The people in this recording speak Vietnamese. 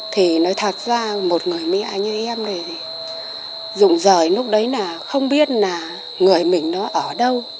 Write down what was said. thì nói thật ra một người mẹ như em này rụng rời lúc đấy là không biết là người mình nó ở đâu